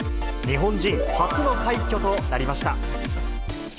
日本人初の快挙となりました。